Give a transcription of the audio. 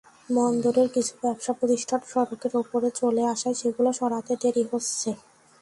বন্দরের কিছু ব্যবসাপ্রতিষ্ঠান সড়কের ওপরে চলে আসায় সেগুলো সরাতে দেরি হচ্ছে।